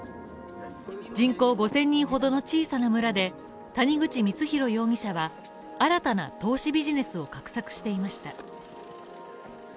人口５０００人ほどの小さな村で、谷口光弘容疑者は、新たな投資ビジネスを画策していました。